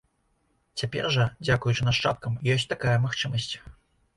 Цяпер жа, дзякуючы нашчадкам, ёсць такая магчымасць.